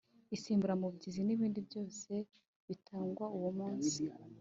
Insimburamubyizi n ibindi byose bitangwa uwomunsi.